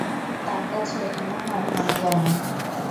তাঁর কাছে এমন হার, মানা যায় না।